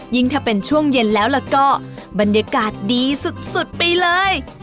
ถ้าเป็นช่วงเย็นแล้วก็บรรยากาศดีสุดไปเลย